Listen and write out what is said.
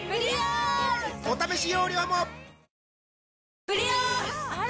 お試し容量もあら！